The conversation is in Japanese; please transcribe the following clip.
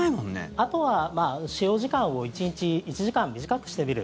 あとは使用時間を１日１時間短くしてみる。